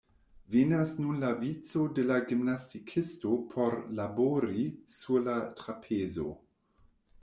Venas nun la vico de la gimnastikisto por "labori" sur la trapezo.